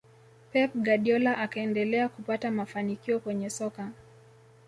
pep guardiola akaendelea kupata mafanikio kwenye soka